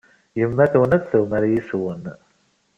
Yemma-twen ad tumar yes-wen.